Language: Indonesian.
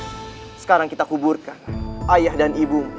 lebih baik sekarang kita kuburkan ayah dan ibu